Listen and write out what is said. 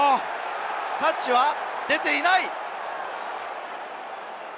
タッチは出ていない。